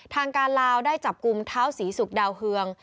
ทางการลาวได้จับกลุ่มเท้าศรีศุกร์ดาวเฮือง